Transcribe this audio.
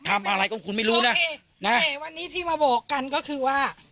ทำอะไรก็คุณไม่รู้นะแต่วันนี้ที่มาบอกกันก็คือว่า